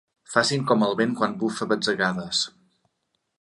Facin com el vent quan bufa a batzegades.